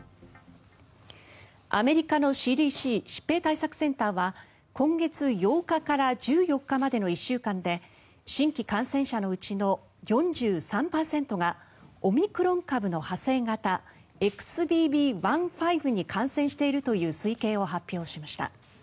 アメリカのＣＤＣ・疾病対策センターは今月８日から１４日までの１週間で新規感染者のうちの４３％がオミクロン株の派生型ＸＢＢ．１．５に感染しているという推計を発表しました。